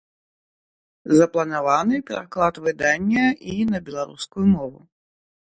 Запланаваны пераклад выдання і на беларускую мову.